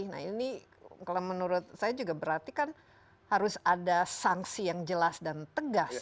nah ini kalau menurut saya juga berarti kan harus ada sanksi yang jelas dan tegas